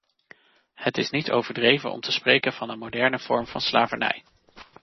Het is niet overdreven om te spreken van een moderne vorm van slavernij.